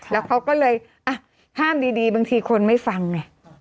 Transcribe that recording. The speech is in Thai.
แล้วเขาก็เลยห้ามดีบางทีคนไม่ฟังไง